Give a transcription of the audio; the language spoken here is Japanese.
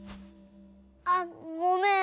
あっごめん